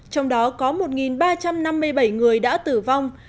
trong đó có một ba trăm năm mươi bảy người đã tử vong